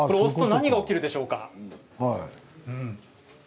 何が起きるでしょうか。